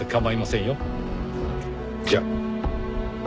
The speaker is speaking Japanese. じゃあ。